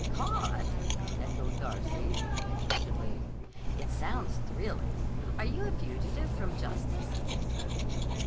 "Caught?" echoed Darcy interestedly. "It sounds thrilling. Are you a fugitive from justice?"